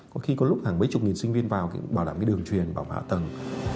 có khi có lúc hàng mấy chục nghìn sinh viên vào bảo đảm cái đường truyền bảo hạ tầng